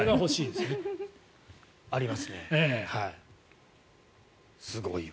すごいわ。